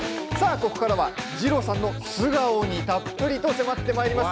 ここからは二朗さんの素顔にたっぷりと迫ってまいります。